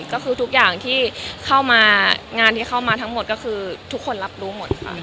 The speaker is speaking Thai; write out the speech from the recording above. ก็คือทุกอย่างที่เข้ามางานที่เข้ามาทั้งหมดก็คือทุกคนรับรู้หมดค่ะ